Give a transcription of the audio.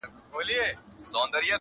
لا زر کلونه زرغونیږي ونه-